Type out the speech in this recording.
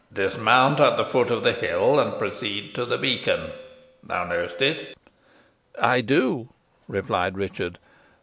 Dismount at the foot of the hill, and proceed to the beacon. Thou know'st it?" "I do," replied Richard.